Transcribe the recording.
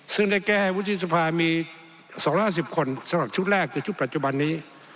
ซึ่งได้แก้ให้วุฒิสภามี๒๕๐คนสำหรับชุดแรกในชุดปัจจุบันนี้